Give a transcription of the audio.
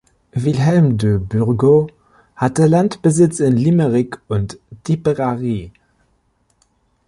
Wilhelm de Burgo hatte Landbesitz in Limerick und Tipperary.